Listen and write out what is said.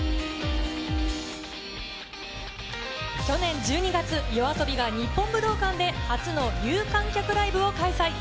去年１２月、ＹＯＡＳＯＢＩが日本武道館で初の有観客ライブを開催。